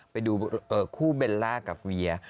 ไปดูคู่เบลล่ากับเวีย